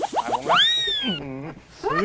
เฮ้ยหยุด